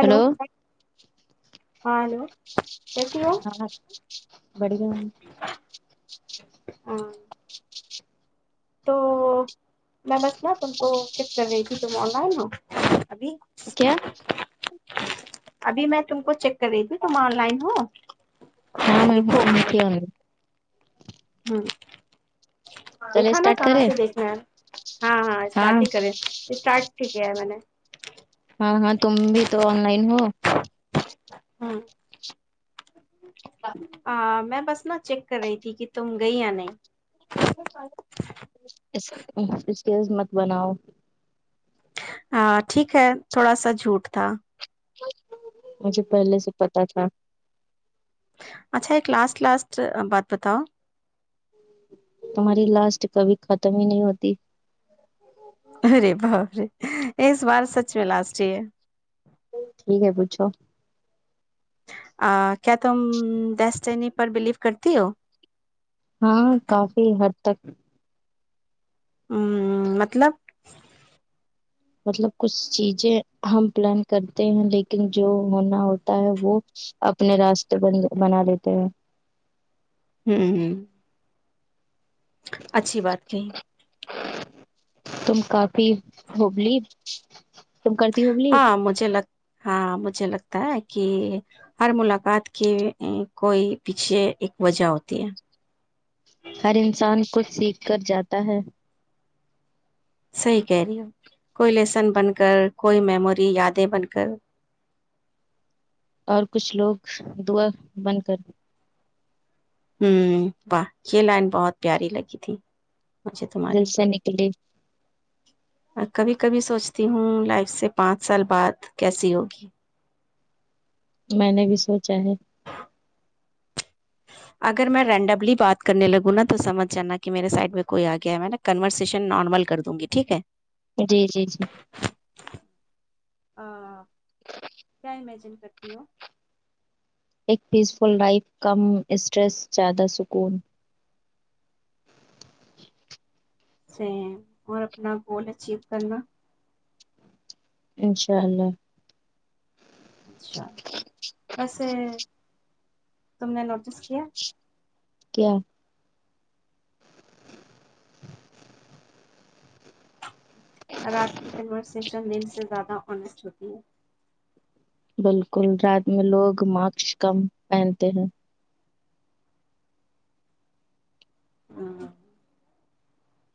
hello hello ہاں بڑیا ہاں تو میں بس ن تم کو چ کرنے ت توما ہے نا ابھی کیا ابھی میں تم کو چیک کر رہی تھی تم آن لائن ہو ہاں میںم آ ہاں چلے دیکھا نا اسٹارٹ کہاں کرے سے دیکھنا ہے ہاں ہاں اسٹارٹ ہی کرے اسٹارٹ ہی کیا ہے میں نے ہاں ہاں تم بھی تو آن لائن ہو ہاں ہاں میں بس نا چیک کر رہی تھی کہ تم گئی یا نہیں ا [inaudible] قز مت بناؤ ہاں ٹھیک ہے تھوڑا سا جھوٹ تھا مجھے پہلے سے پتا تھا اچھا ایک لاسٹ لاسٹ بات بتاؤ تمہاری لاسٹ کبھی ختم ہی نہیں ہوتی ارے باے اس بار سچ میں لاسٹ ہی ٹھیک ہے پوچھو کیا تم ڈسٹنی پر بلیو کرتی ہو ہاں کافی حد تک ہ مطلب مطلب کچھ چیزیں ہم پلان کرتے ہیں لیکن جو ہونا ہوتا ہے وہ اپنے راستےن بنا لیتے ہیں ہوں ہ اچھی بات کہیں تم کافی ہوبلی تم کرتی ہو بلی ہاں مجھے لگ ہاں مجھے لگتا ہے کہ ہر ملاقات کی کوئی پیچھے ایک وجہ ہوتی ہے ہر انسان کھ سیکھ کر جاتا ہے صحی کہہ رہی ہے کوئی لیسن بن کر کوئی میموری یادیں بن کر اور کچھ لوگ دعا بن کر ہوں واہ یہ لائن بہت پیاری لگی تھی مجھے جل تمہاری سےا نکلیے اور کبھی کبھی سوچتی ہوں لائف سے پانچ سال بعد کیسی ہوگی میں نے بھی سوچا ہے اگر میں رینڈملی بات کرنے لگوں نا تو سمجھ جانا کہ میرے سائڈ میں کوئی آ گیا ہے میں نا کنورسیشن نارمل کر دوں گی ٹھیک ہے جی جی جی ہاں کیا امجن کتیو پیس فل لائف کم اسٹریس زیادہ سکون سے اور اپنا گول اچیو کرنا انشاء اللہ اچھا ویسے تم نے نوٹس کیا کیا [inaudible] رات کی کنورسشن دن سے زیادہ آسٹ ہوتی ہے بالکل رات میں لوگ ماس کم پہنتے ہیں ہ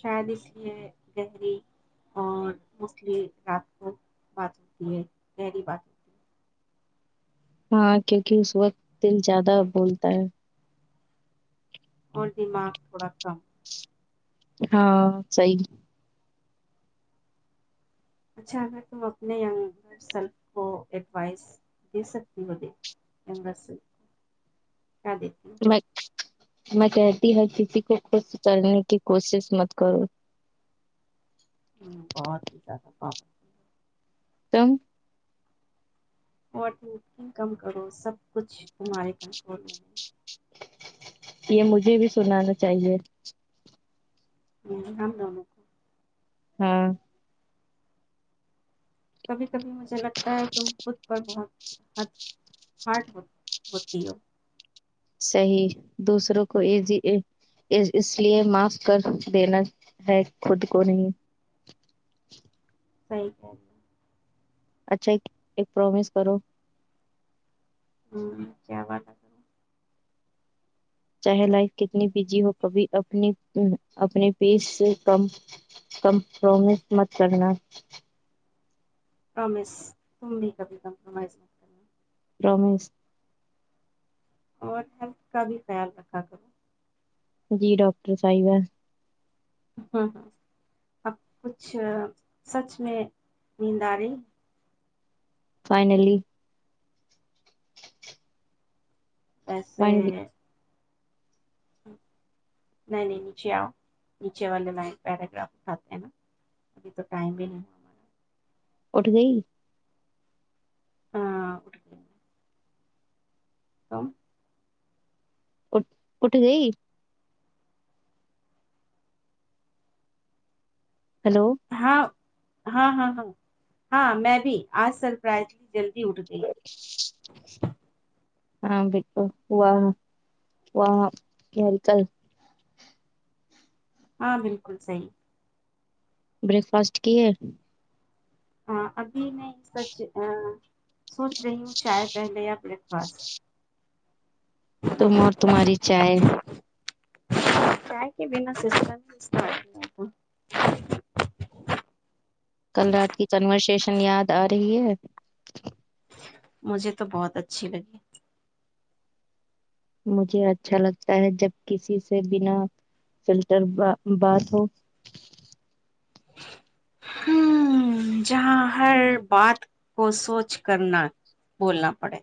شاید اس لیے گہری اور موسٹلی رات کو بات ہوتی ہے گہری بات ہوتی ہے ہاں کیونکہ اس وقت دل زیادہ بولتا ہے اوردی م اڑکم ہاں صی اچھا اگر تم اپنے ینگر سیلف کو ایڈوائس دے سکتی ہو ینگر سیلف کو میں میں کہتی ہ کسی کو خود ستارنے کی کوشش مت کرو ہ بہت ہی زیادہ بہت ہی تم اورن کم کرو سب کچھ تارے کنٹرول میں یہ مجھے بھی سنانا چاہیے ہ ہمم د کو ہاں کبھی کبھی مجھے لگتا ہے تو خود پر بہت ہ ہارٹ ہوتیو صحیح دوسروں کو اس لیے معاف کر دینا ہے خود کو نہیں صحی کہ اچھا ایک ایک پرومس کرو کیا بٹ کر چاہے لائف کتنی بزی ہو کبھی اپنے پیس سے کمپومس مت کرنا پر تم بھی کبھی کمپرومائز کرنا رمیش اور ہیلتھ کا بھی خیال رکھا کرو جی ڈاکٹر صاحب ہے ہ ہ اب کچھ سچ میں نیند آ رہی فائنلی [inaudible] ویسے فائنلی نہیں نہیں نیچے آؤ نیچے والے لائن پیراگراف ا کھاتے ہیں نا ابھی تو ٹائم بھی نہیں ہوا ہمارا اٹھ گئی ہمارا ہاں ہمم اٹ گئی ہلو ہاں ہاں ہاں ہاں ہاں میں بھی آج سرپرائز لی جلدی اٹھ گئی ہاں بالکل واہ وکل ہاں بالکل صحی بریک فاسٹ کی ہے ہاں ا میں یہ سچ سوچ رہی ہوں چاہے پہلے اب بریکفاسٹ تو م اور تماری ہی چائے کیاائے کے بنا سسٹم اس نہیں کل رات کی کنورسیشن یاد آ رہی ہے مجھے تو بہت اچھی لگی مجھے اچھا لگتا ہے جب کسی سے بنا فلٹر بات ہو جہاں ہر بات کو سوچ کرنا بولنا پڑے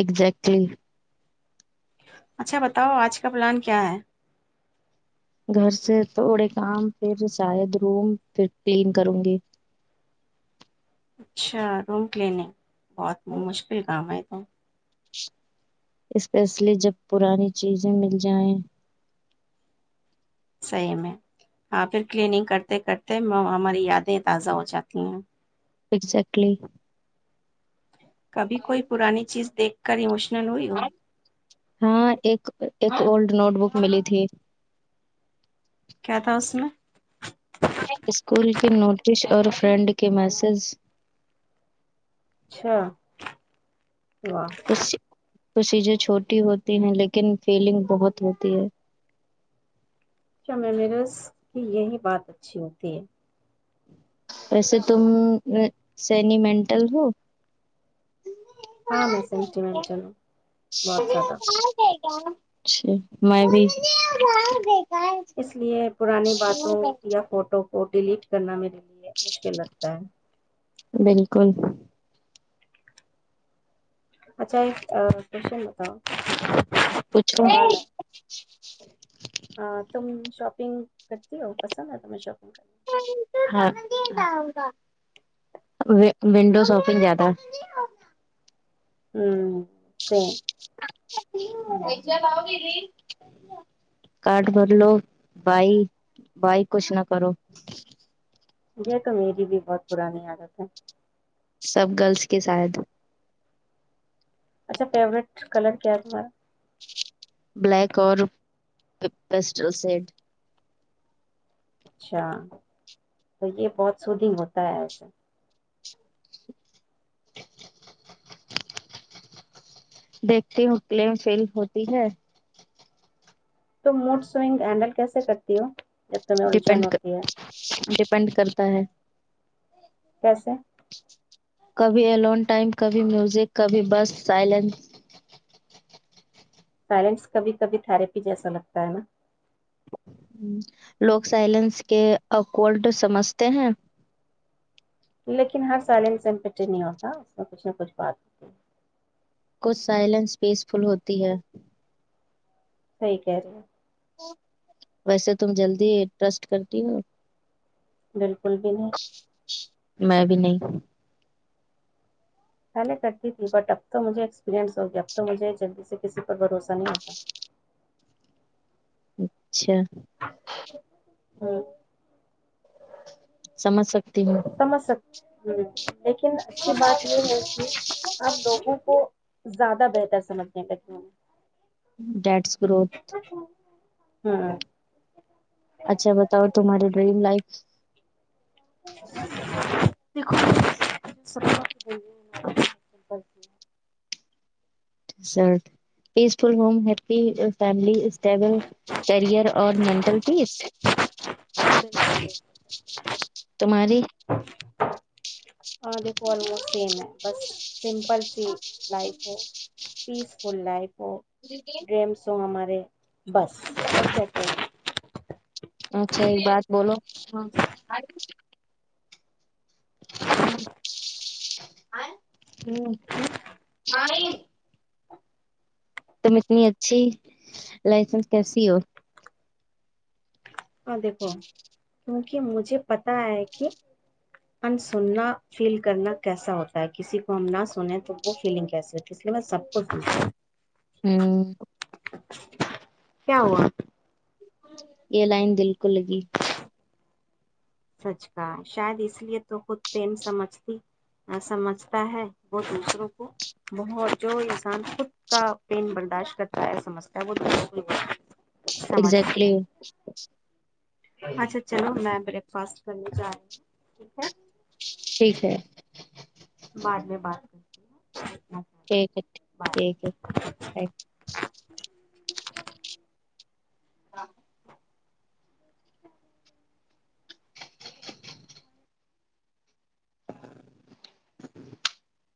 اگزیکٹلی اچھا بتاؤ آج کا پلان کیا ہے گھر سے تھوڑے کام پھر شاید روم پھر کلین کروں گی اچھا روم کلیننگ بہت مشکل کام ہے تو اس فیصلے جب پرانی چیزیں مل جائیں سحی میں ہاں پھر کلیننگ کرتے کرتے ہماری یادیں تازہ ہو جاتی ہیں اگزٹلی کبھی کوئی پرانی چیز دیکھ کری مشکل ہاں ایک ایک اولڈ نوٹ بک ملی تھی کیا تھا اس میں اسکول کے نوٹس اور فرینڈ کے میسز چھ واہ تو چیزیں چھوٹی ہوتی ہیں لیکن فیلنگ بہت ہوتی ہے کیا ممرس کی یہی بات اچھی ہوتی ہے ویسے تم سینیمینٹل ہو ہاں میں سینٹیمنٹ چلوں بہت زیادہ اچھا میں بھی اس لیے پرانی باتوں یا فوٹو وہ ڈیلیٹ کرنا میرے لیے مشکل لگتا ہے بالکل اچھا ایک کوشن بتاؤ پوچھ رہوں ا سوال تم شاپنگ کرتی ہو پسند ہے ت میں شاپنگ کر ہاں و ونڈوزوف زیادہ ہوں س کٹ بر لو بائی بائی کچھ نہ کرو یہ تو میری بھی بہت پرانی عادت ہے سب گرلس کے شاید [unintelligible] اچھا فیوریٹ کلر کیا ہے تمہارا بلیک اور پسٹل سیڈ اچھا تو یہ بہت سودھنگ ہوتا ہے ایسے دیکھتی ہوں کل فیل ہوتی ہے تو موڈ سئنگ ہینڈل کیسے کرتی ہو جب تمہیں الجھن ڈپنڈ ہوتی ہے پینڈ کرتا ہے کیسے کبھی ایلون ٹائم کبھی میوزک کبھی بس سائلینٹ سائلنس کبھی کبھی تھراپی جیسا لگتا ہے نا لوگ سائلینس کے اکورڈ سمجھتے ہیں لیکن ہر سائلن سے ایمپٹ نہیں ہوتا اس میں کچھ نہ کچھ بات ہوتی کچھ سائلنس پیسفل ہوتی ہے سحی کہہ رہے ہیں ویسے تم جلدی ٹرسٹ کرتی ہو بالکل بھی نہیں میں بھی نہیں پہلے کرتی تھی بٹ اب تو مجھے ایکسپیرئنس ہو گیا اب تو مجھے جلدی سے کسی پر بھروسہ نہیں ہوتا اچ [unintelligible] اچھا ہوں سمجک سمجک ہ لیکن اچھی بات یہ ہے کہ آپ لوگوں کو زیادہ بہتر سمجھنے کاتے ہیں ڈ گروتھ ہوں اچھا بتاؤ تمہاری ڈریم لائف دھو ر peaceful home happy family stable career اور مینٹل پیس [inaudible] تمہاری ہاں دیکھو آموسٹ سیم ہے بس سمپل سی لائف ہو پیس فل لائف وہ ڈریمس ہو ہمارے بس ا اچھا ایک بات بولو ہ آ ہ میں تم اتنی اچھی لائسنس کیسی ہو ا دیک کو کیونکہ مجھے پتا ہے کہ انسننا فیل کرنا کیسا ہوتا ہے کسی کو ہم نہ سنیں تو وہ فیلنگ کیسی ہوتی ہے اس لیے میں سب کو سوھتیوں ہوں کیا ہوا یہ لائن دالکلگی سچ کا شاید اس لیے تو خود پین سمجھتی سمجھتا ہے وہ دوسروں کو بت جو انسان خود کا پین برداشت کرتا ہے سمجھتا ہے وہ دوسروں کو بش ایگزیکٹلی سمجھتا اچھا چلو میں بریک فاسٹ کرنے جا رہی ہوں ٹھیک ہے ٹھیک ہے بعد میں بات کرتی ہیں ٹھیک ہے بائے ٹھیک ہے تھیک ہاں